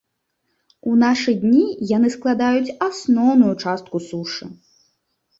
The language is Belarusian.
У нашы дні яны складаюць асноўную частку сушы.